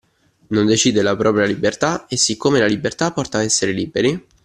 Non decide la propria libertà e siccome la libertà porta a essere liberi